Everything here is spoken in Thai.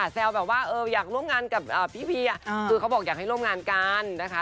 แซวแบบว่าอยากร่วมงานกับพี่เวียคือเขาบอกอยากให้ร่วมงานกันนะคะ